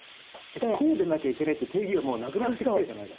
こうでなきゃいけないっていう定義はもうなくなってきてるじゃないですか。